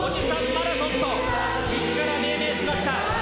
マラソンと、みずから命名しました。